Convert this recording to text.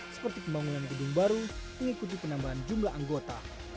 seperti pembangunan gedung baru mengikuti penambahan jumlah anggota